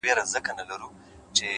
پوهه د ژوند انتخابونه ډېروي.!